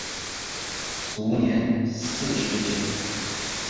卒年四十九。